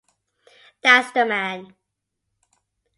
That’s the man.